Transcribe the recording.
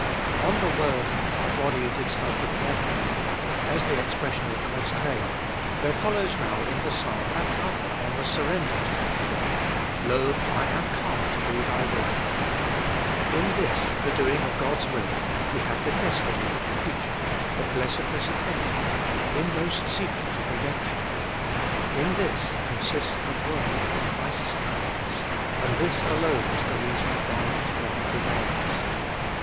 ON the word, A body didst thou prepare for Me, as the expres sion of God's claim, there follows now in the Psalm that other on the surrender to that claim — Lo, I am come to do Thy will. In this, the doing of God's will, we have the destiny of the creature, the blessedness of heaven, the inmost secret of redemp tion. In this consists the worth of Christ's sacrifice, and this alone is the reason why His blood prevails.